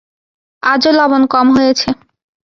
আজও লবণ কম হয়েছে।